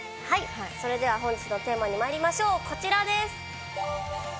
それでは本日のテーマにまいりましょう、こちらです。